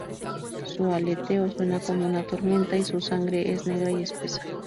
Su aleteo suena como una tormenta y su sangre es negra y espesa.